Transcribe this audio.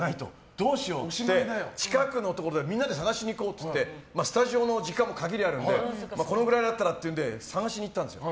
どうしようって近くのところでみんなで探しにいこうってスタジオの時間も限りあるのでこのくらいならっていうので探しに行ったんですよ。